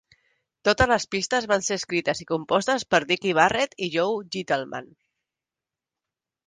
Totes les pistes van ser escrites i compostes per Dicky Barrett y Joe Gittleman.